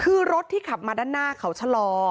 คือรถที่ขับมาด้านหน้าเขาชะลอ